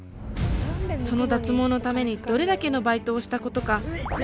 その脱毛のためにどれだけのバイトをしたことか。